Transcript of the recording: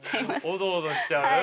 おどおどしちゃう。